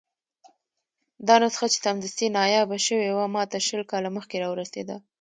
دا نسخه چې سمدستي نایابه شوې وه، ماته شل کاله مخکې راورسېده.